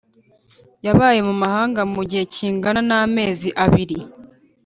yabaye mu mahanga mu gihe kingana n amezi abiri